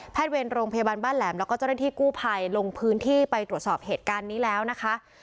เวรโรงพยาบาลบ้านแหลมแล้วก็เจ้าหน้าที่กู้ภัยลงพื้นที่ไปตรวจสอบเหตุการณ์นี้แล้วนะคะ